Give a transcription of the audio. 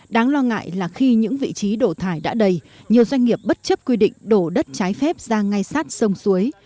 đáng lo ngại là khi những vị trí đổ thải đã đầy nhiều doanh nghiệp bất chấp quy định đổ đất trái phép ra ngay sát sông suối